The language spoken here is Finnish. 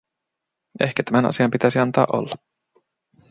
Ehkä tämän asian pitäisi antaa olla.